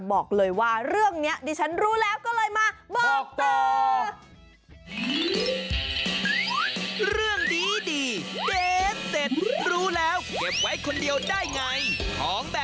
บอกเลยว่าเรื่องนี้ดิฉันรู้แล้วก็เลยมาบอกต่อ